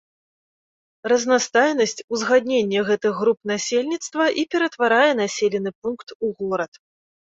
Разнастайнасць, узгадненне гэтых груп насельніцтва і ператварае населены пункт у горад.